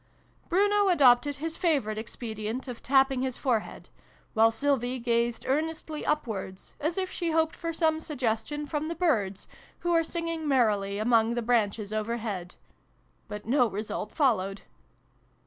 Bruno adopted his favourite expedient of tapping his forehead ; while Sylvie gazed earnestly upwards, as if she hoped for some suggestion from the birds, who were singing merrily among the branches overhead. But no result followed.